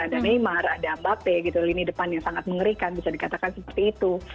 ada neymar ada mbappe gitu lini depan yang sangat mengerikan bisa dikatakan seperti itu